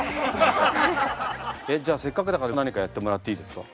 えっじゃあせっかくだから何かやってもらっていいですか？